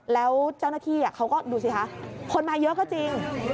แล้วเจ้าหน้าที่เขาก็ดูสิคะคนมาเยอะก็จริง